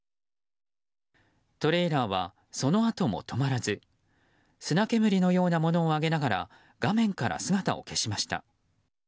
トレーラーはそのあとも止まらず砂煙のようなものを上げながら画面から姿を消しました。